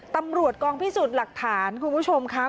ตำรวจกองพิสูจน์หลักฐานคุณผู้ชมค่ะ